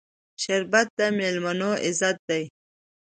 شربت د میلمنو عزت دی